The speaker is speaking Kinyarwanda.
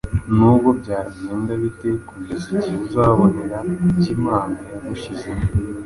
Nubwo byagenda bite, kugeza igihe uzabonera ibyo Imana yagushyizemo